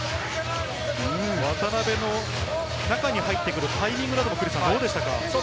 渡邉の中に入ってくるタイミングなどもどうでしたか？